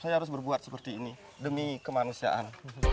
saya harus berbuat seperti ini demi kemanusiaan